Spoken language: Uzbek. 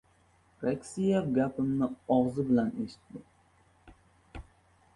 Rixsiyev gapimni og‘zi bilan eshitdi.